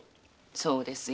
そうですよ。